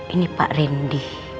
ini pak rendi